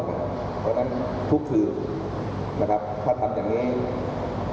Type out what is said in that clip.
เพราะฉะนั้นถุกถือถ้าทำอย่างนี้